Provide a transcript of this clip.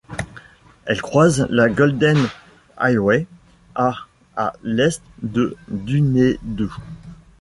Elle croise la Golden Highway à à l'est de Dunedoo.